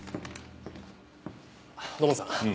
土門さん